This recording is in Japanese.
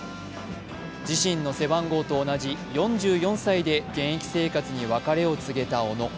自身の背番号と同じ４４歳で現役生活に別れを告げた小野。